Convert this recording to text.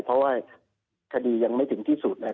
เพราะว่าคดียังไม่ถึงที่สุดนะครับ